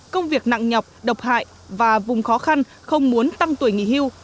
công việc nặng nhọc độc hại và vùng khó khăn không muốn tăng tuổi nghỉ hưu